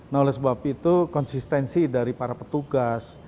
nah oleh sebab itu konsistensi dari para petugas